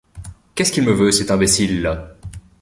Qu'est-ce qu'il me veut, cet imbécile-là ?